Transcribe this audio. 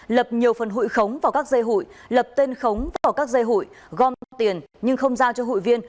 lập nhiều phần hụi khống vào các dây hụi lập tên khống vào các dây hụi gom tiền nhưng không giao cho hội viên